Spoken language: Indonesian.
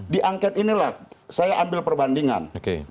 di angket ini lah saya ambil perbandingan